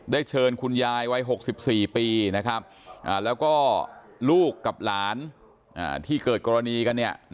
ได้เชิญคุณยายวัย๖๔ปีนะครับแล้วก็ลูกกับหลานที่เกิดกรณีกันเนี่ย